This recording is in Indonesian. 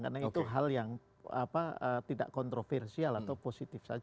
karena itu hal yang tidak kontroversial atau positif saja